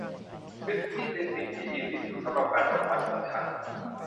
วิสกี้เป็นสิ่งที่ดีที่สุดสำหรับการจบวันของฉัน